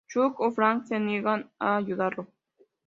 Chuck o Frank se niegan a ayudarlo.